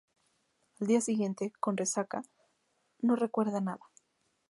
Al día siguiente, con resaca, no recuerda nada.